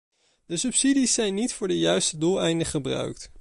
De subsidies zijn niet voor de juiste doeleinden gebruikt.